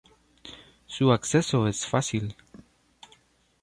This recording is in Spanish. Su acceso es fácil.